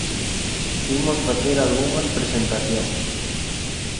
Imos facer algunhas presentacións.